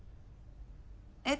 えっ？